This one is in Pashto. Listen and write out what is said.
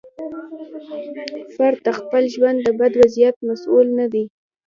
فرد د خپل ژوند د بد وضعیت مسوول نه دی.